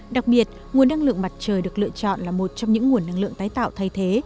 đặc biệt nguồn năng lượng mặt trời được lựa chọn là một trong những nguồn năng lượng tái tạo thay thế